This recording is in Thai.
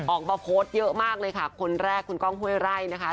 ออกมาโพสต์เยอะมากเลยค่ะคนแรกคุณก้องห้วยไร่นะคะ